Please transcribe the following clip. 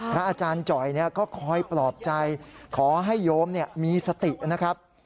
อาจารย์จ่อยก็คอยปลอบใจขอให้โยมมีสตินะครับ